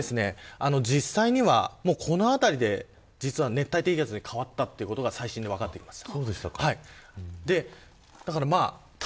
こちらも、実際にはこの辺りで実は熱帯低気圧に変わったということが最新で分かってきました。